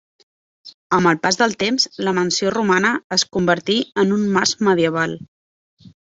Amb el pas del temps la mansió romana es convertí en un mas medieval.